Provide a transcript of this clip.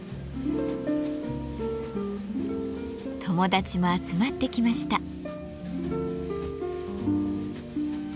友達も集まってきました。